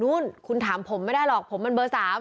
นู้นคุณถามผมไม่ได้หรอกผมมันเบอร์๓